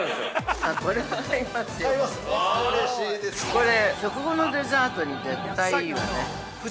これ、食後のデザートに絶対いいわね。